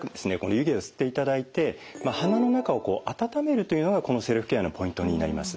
湯気を吸っていただいて鼻の中を温めるというのがこのセルフケアのポイントになります。